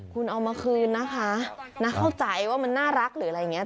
คุณเอามาคืนนะคะน่าเข้าใจว่ามันน่ารักหรืออะไรอย่างนี้